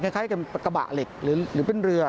สคารของโปะเป็นเหมือนกระบ่าเหล็กหรือเป็นเรือ